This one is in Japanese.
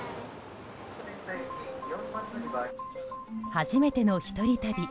初めての一人旅。